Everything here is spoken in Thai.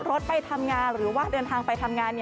รถไปทำงานหรือว่าเดินทางไปทำงาน